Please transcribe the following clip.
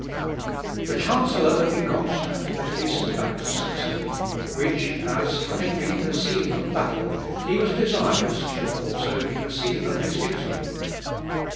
] The chancellor of Ingolstadt had hastened back to Saxony, which, as having been the scene of battle, he was desirous should also be the scene of his victory.